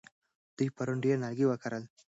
دوی پرون ډېر نیالګي وکرل.